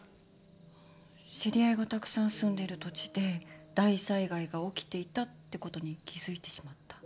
知り合いがたくさん住んでる土地で大災害が起きていたってことに気付いてしまった。